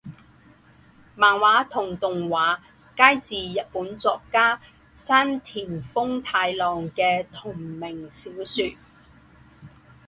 漫画和动画皆自日本作家山田风太郎的同名小说。